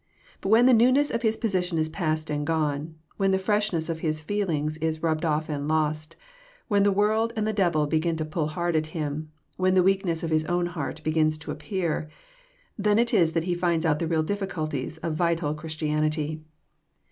But when the newness of his position is past and gone, when the freshness of his feelings is rubbed off and lost, when the world and the devil b^in to pull hard at him, when the weakness of his own heart begins to appear, — then it is that he finds out the real difficulties of vital Chris tianity.